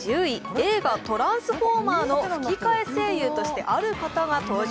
映画「トランスフォーマーの吹き替え声優としてある方が登場。